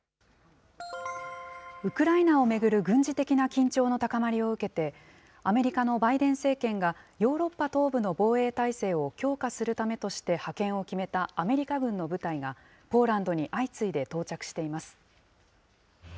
ウクライナを巡る軍事的な緊張の高まりを受けて、アメリカのバイデン政権がヨーロッパ東部の防衛態勢を強化するためとして派遣を決めたアメリカ軍の部隊が、ポーランドに相次いで到着しています。